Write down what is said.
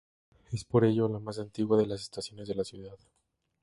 Es por ello la más antigua de las estaciones de la ciudad.